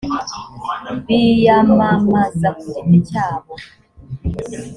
biyamamaza ku giti cyabo